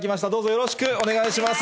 よろしくお願いします。